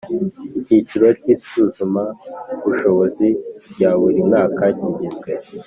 Icyiciro cy isuzamabushobozi rya buri mwaka kigizwe